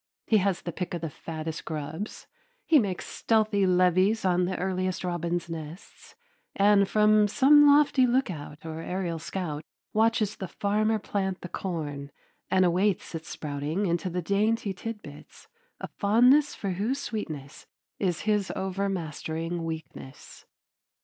He has the pick of the fattest grubs; he makes stealthy levies on the earliest robins' nests; and from some lofty lookout or aerial scout watches the farmer plant the corn and awaits its sprouting into the dainty tidbits, a fondness for whose sweetness is his overmastering weakness.